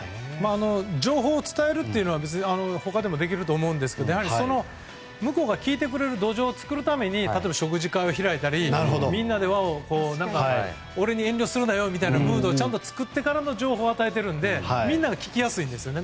情報を伝えるのは他でもできると思うんですが向こうが聞いてくれる土壌を作るために例えば食事会を開いたり俺に遠慮するなよっていうムードを作ってから情報を与えているのでみんなが聞きやすいですね。